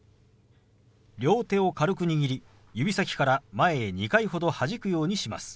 両手を軽く握り指先から前へ２回ほどはじくようにします。